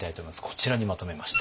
こちらにまとめました。